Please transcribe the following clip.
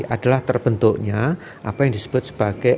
adalah terbentuknya apa yang disebut sebagai